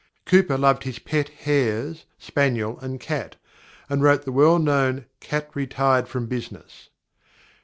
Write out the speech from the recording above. Cowper loved his pet hares, spaniel, and cat, and wrote the well known "Cat retired from business."